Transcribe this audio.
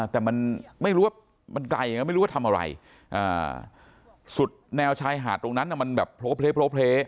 แต่มันไม่รู้ว่ามันไกลไงไม่รู้ว่าทำอะไรสุดแนวชายหาดตรงนั้นมันแบบโพลเพล